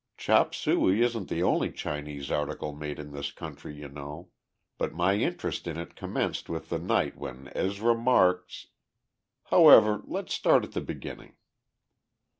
Chop suey isn't the only Chinese article made in this country, you know. But my interest in it commenced with the night when Ezra Marks "However, let's start at the beginning."